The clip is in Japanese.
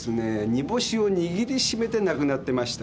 煮干しを握り締めて亡くなってました。